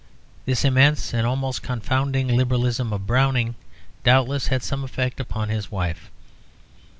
This immense and almost confounding Liberalism of Browning doubtless had some effect upon his wife.